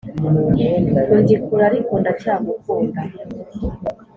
Undi kure ariko ndacyagukunda